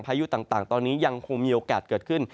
ยุต่างตอนนี้ยังคงมีโอกาสเกิดขึ้น